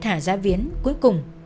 hà giá viễn cuối cùng